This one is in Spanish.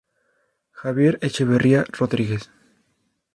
Javier Echevarría Rodríguez.